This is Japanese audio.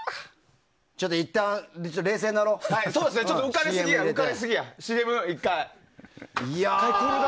ちょっといったん冷静になろうか。